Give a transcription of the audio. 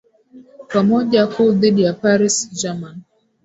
kwa moja kuu dhidi ya paris german